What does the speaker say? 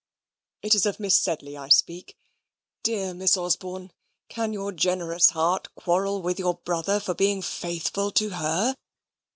It is of Miss Sedley I speak. Dear Miss Osborne, can your generous heart quarrel with your brother for being faithful to her?